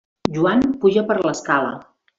Joan puja per l'escala.